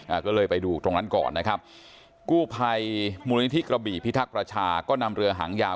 อ่าก็เลยไปดูตรงนั้นก่อนนะครับกู้ภัยมูลนิธิกระบี่พิทักษ์ประชาก็นำเรือหางยาว